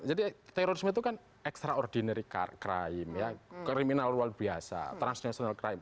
terorisme itu kan extraordinary crime ya kriminal luar biasa transnational crime